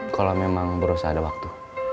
kalau memang bu rosa ada waktu